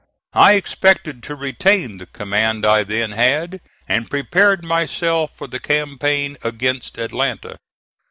I expected to retain the command I then had, and prepared myself for the campaign against Atlanta.